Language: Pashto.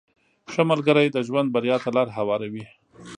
• ښه ملګری د ژوند بریا ته لاره هواروي.